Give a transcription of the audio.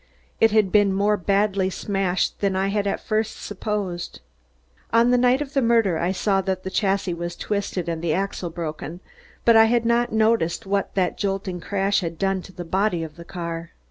It had been more badly smashed than I had at first supposed. On the night of the murder I saw that the chassis was twisted and the axle broken, but I had not noticed what that jolting crash had done to the body of the car.